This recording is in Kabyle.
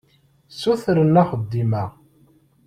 Ssutren axeddim-a.